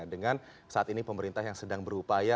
dengan saat ini pemerintah yang sedang berupaya